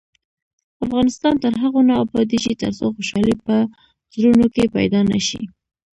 افغانستان تر هغو نه ابادیږي، ترڅو خوشحالي په زړونو کې پیدا نشي.